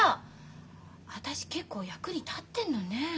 私結構役に立ってんのね。